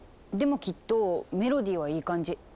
でもきっとメロディーはいい感じ。